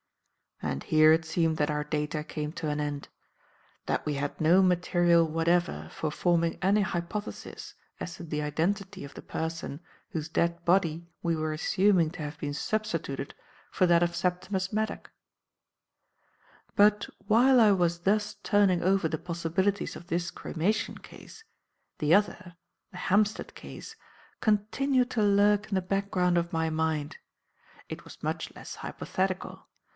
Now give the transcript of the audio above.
And here it seemed that our data came to an end; that we had no material whatever for forming any hypothesis as to the identity of the person whose dead body we were assuming to have been substituted for that of Septimus Maddock. "But while I was thus turning over the possibilities of this cremation case, the other the Hampstead case continued to lurk in the background of my mind. It was much less hypothetical.